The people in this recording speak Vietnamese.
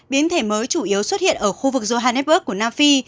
biến thể mới chủ yếu xuất hiện ở khu vực johannesburg của nam phi